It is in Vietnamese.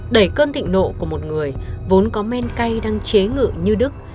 đẩy cơn thịnh nộ của một người vốn có men cay đang chế ngự như đức